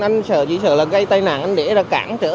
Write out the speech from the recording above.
anh sợ chỉ sợ là gây tai nạn anh để ra cảng trở